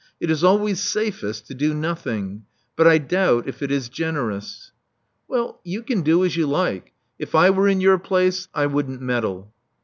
It is always safest to do nothing. But I doubt if it is generous." 382 Love Among the Artists "Well, you can do as you like. If I were in your place, I wouldn't meddle."